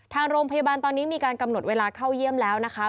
ทางโรงพยาบาลตอนนี้มีการกำหนดเวลาเข้าเยี่ยมแล้วนะคะ